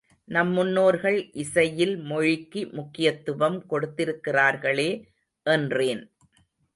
நம் முன்னோர்கள் இசையில் மொழிக்கு முக்கியத்துவம் கொடுத்திருக்கிறார்களே, என்றேன்.